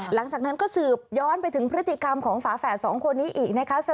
หลังจากนั้นก็สืบย้อนไปถึงพฤติกรรมของฝาแฝดสองคนนี้อีกนะคะ